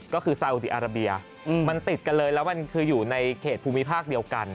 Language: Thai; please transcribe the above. ก็คือซาอุดีอาราเบียมันติดกันเลยแล้วมันคืออยู่ในเขตภูมิภาคเดียวกัน